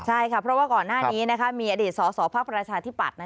ใช่ค่ะเพราะว่าก่อนหน้านี้มีอดีตสสพักประชาธิปัตย์